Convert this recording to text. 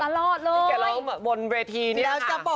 มันร้อนบนนี้นะคะ